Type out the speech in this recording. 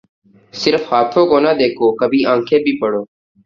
صرف ہاتھوں کو نہ دیکھو کبھی آنکھیں بھی پڑھو